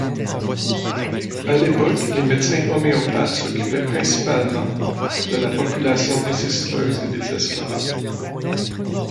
À l’époque, les médecins homéopathes s’occupaient principalement de la population nécessiteuse et des esclaves.